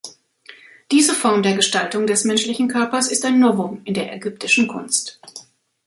Diese Form der Gestaltung des menschlichen Körpers ist ein Novum in der ägyptischen Kunst.